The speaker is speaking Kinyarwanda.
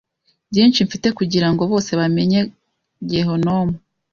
Byinshi mfite kugirango bose bamenye Gehinomu